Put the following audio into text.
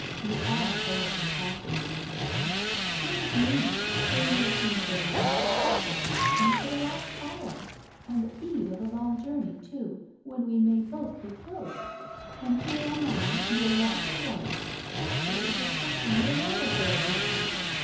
You are horribly fascinating, Jeremy. Look at me, here you have been saying the most awful things to me for the last hour — on the eve of a long journey, too, when we may both be killed — and here am I, your lawful wife, actually discussing your love affairs with you